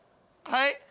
はい？